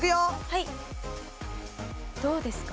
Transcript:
はいどうですか？